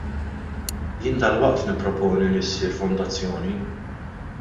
Jien dalwaqt nipproponi li issir fondazzjoni.